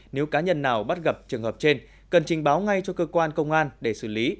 nếu cá nhân nào bắt gặp trường hợp trên cần trình báo ngay cho cơ quan công an để xử lý